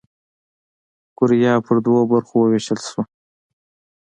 کوریا پر دوو برخو ووېشل شوه.